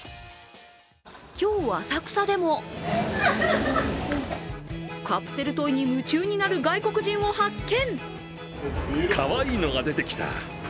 今日、浅草でもカプセルトイに夢中になる外国人を発見。